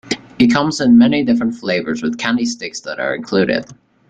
It comes in many different flavors with candy sticks that are included.